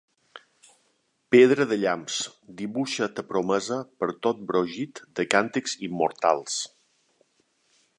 Pedra de llamps, dibuixa ta promesa per tot brogit de càntics immortals.